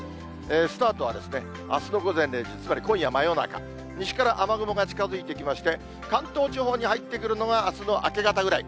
スタートはあすの午前０時、つまり今夜真夜中、西から雨雲が近づいてきまして、関東地方に入ってくるのは、あすの明け方ぐらい。